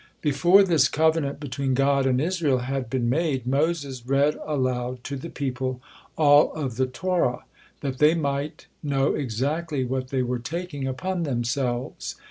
Before this covenant between God and Israel had been made, Moses read aloud to the people all of the Torah, that they might know exactly what they were taking upon themselves.